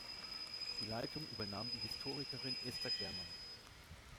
Die Leitung übernahm die Historikerin Esther Germann.